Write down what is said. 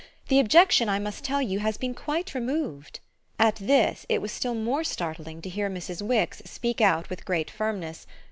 The objection, I must tell you, has been quite removed." At this it was still more startling to hear Mrs. Wix speak out with great firmness.